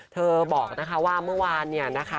เธอบอกนะคะว่าเมื่อวานเนี่ยนะคะ